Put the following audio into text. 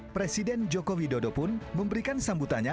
presiden joko widodo pun memberikan sambutannya